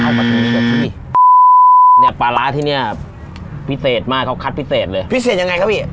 มาถึงเกือบที่เนี้ยปลาร้าที่เนี้ยพิเศษมากเขาคัดพิเศษเลยพิเศษยังไงครับพี่